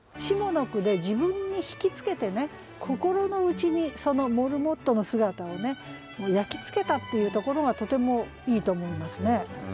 下の句で自分に引き付けてね心の内にそのモルモットの姿を焼き付けたっていうところがとてもいいと思いますね。